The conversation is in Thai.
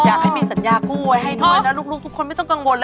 อยากให้มีสัญญากู้ไว้ให้น้อยนะลูกทุกคนไม่ต้องกังวลเลย